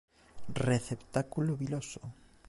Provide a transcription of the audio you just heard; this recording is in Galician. Receptáculo viloso.